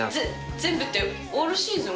全部って、オールシーズン？